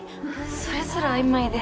それすら曖昧で。